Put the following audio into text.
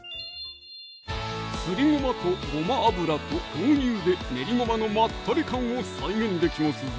すりごまとごま油と豆乳で練りごまのまったり感を再現できますぞ！